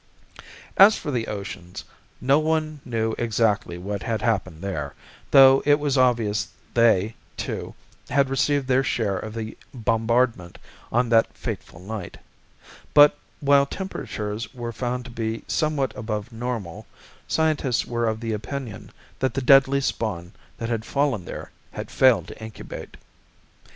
As for the oceans, no one knew exactly what had happened there, though it was obvious they, too, had received their share of the bombardment on that fateful night; but, while temperatures were found to be somewhat above normal, scientists were of the opinion that the deadly spawn that had fallen there had failed to incubate.